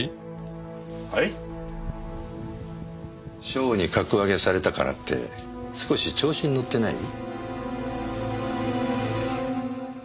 省に格上げされたからって少し調子に乗ってない？